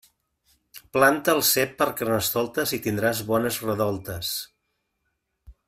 Planta el cep per Carnestoltes i tindràs bones redoltes.